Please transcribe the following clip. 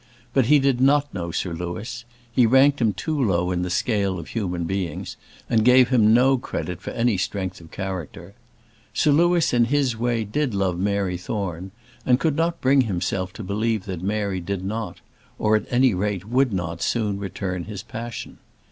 But he did not know Sir Louis; he ranked him too low in the scale of human beings, and gave him no credit for any strength of character. Sir Louis in his way did love Mary Thorne; and could not bring himself to believe that Mary did not, or at any rate, would not soon return his passion.